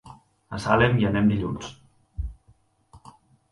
A Salem hi anem dilluns.